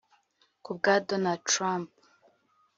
Ku bwa Donald Trump